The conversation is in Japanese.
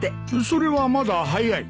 それはまだ早い。